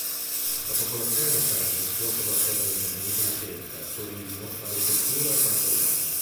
La popolazione locale si occupa prevalentemente di pesca, turismo, agricoltura e pastorizia.